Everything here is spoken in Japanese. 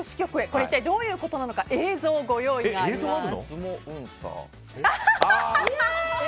これ一体どういうことなのか映像のご用意があります。